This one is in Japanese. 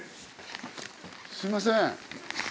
すいません。